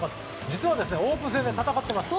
実は、オープン戦で戦ってます。